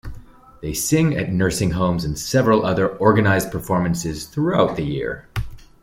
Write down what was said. They sing at nursing homes and several other organized performances throughout the year.